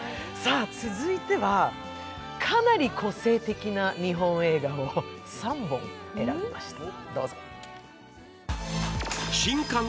続いては、かなり個性的な日本映画を３本選びました。